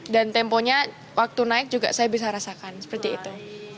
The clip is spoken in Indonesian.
dan temponya waktu naik juga saya bisa rasakan seperti itu